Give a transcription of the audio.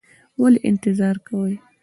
ولې انتظار کوې؟